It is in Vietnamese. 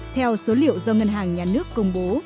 theo số liệu do ngân hàng nhà nước công bố